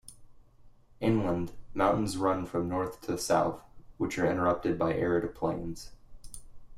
Inland, mountains run from north to south, which are interrupted by arid plains.